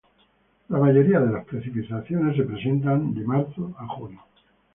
La mayoría de las precipitaciones se presentan de marzo a junio.